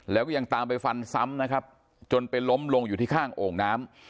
แล้วก็ยังตามไปฟันซ้ำนะครับจนไปล้มลงอยู่ที่ข้างโอ่งน้ำ